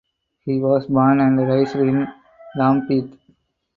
He was born and raised in Lambeth.